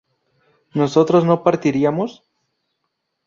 ¿nosotros no partiríamos?